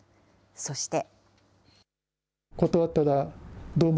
そして。